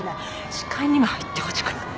視界にも入ってほしくない。